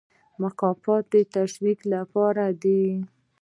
مکافات د تشویق لپاره دي